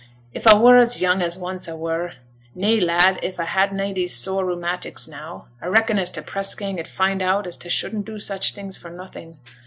'If a were as young as once a were nay, lad, if a had na these sore rheumatics, now a reckon as t' press gang 'ud find out as t' shouldn't do such things for nothing.